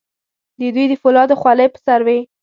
د دوی د فولادو خولۍ په سر وې.